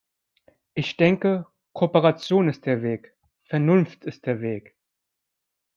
Ich denke, Kooperation ist der Weg, Vernunft ist der Weg.